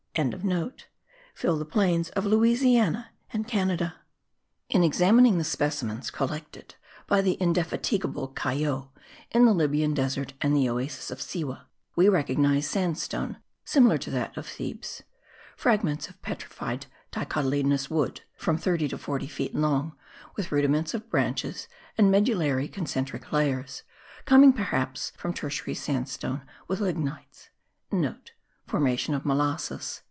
fill the vast plains of Louisiana and Canada. In examining the specimens collected by the indefatigable Caillaud in the Lybian desert and the Oasis of Siwa, we recognize sandstone similar to that of Thebes; fragments of petrified dicotyledonous wood (from thirty to forty feet long), with rudiments of branches and medullary concentric layers, coming perhaps from tertiary sandstone with lignites;* (* Formation of molassus.)